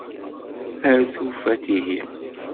Ar tufat ihi.